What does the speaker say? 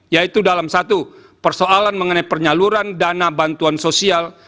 yaitu dalam satu persoalan mengenai penyaluran dana bantuan sosial